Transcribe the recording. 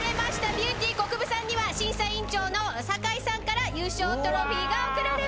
ビューティーこくぶさんには審査員長の堺さんから優勝トロフィーが贈られます。